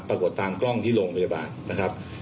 ปรากฏตามกล้องที่โรงพยาบาลนะครับ